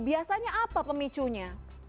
biasanya apa pemicunya